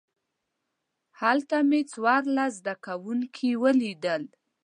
هلته مې څوارلس زده کوونکي ولیدل.